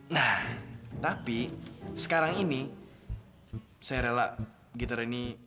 nah tapi sekarang ini saya rela gitar ini